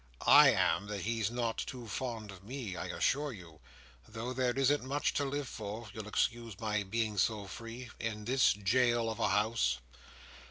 I am, that he's not too fond of me, I assure you; though there isn't much to live for—you'll excuse my being so free—in this jail of a house!"